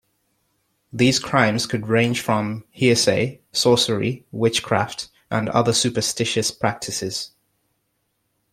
These crimes could range from heresy, sorcery, witchcraft, and other superstitious practices.